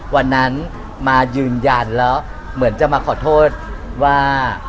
วันนั้นมายืนยันแล้วเหมือนจะมาขอโทษว่า